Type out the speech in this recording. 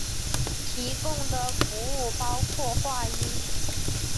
提供的服务包括话音。